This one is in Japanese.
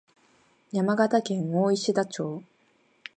山形県大石田町